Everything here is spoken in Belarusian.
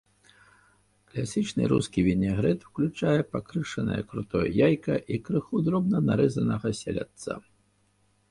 Класічны рускі вінегрэт уключае пакрышанае крутое яйка і крыху дробна нарэзанага селядца.